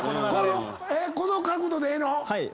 この角度でええの⁉はい。